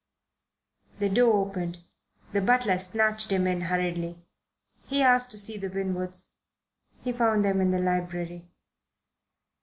The door opened. The butler snatched him in hurriedly. He asked to see the Winwoods. He found them in the library.